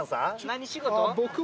何仕事？